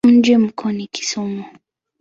Mji mkuu ni Kisumu.